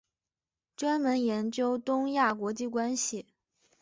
专门研究东亚国际关系。